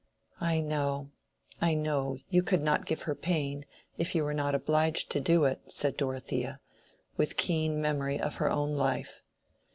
"I know, I know—you could not give her pain, if you were not obliged to do it," said Dorothea, with keen memory of her own life.